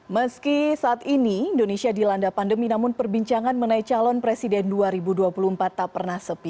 meski saat ini indonesia dilanda pandemi namun perbincangan mengenai calon presiden dua ribu dua puluh empat tak pernah sepi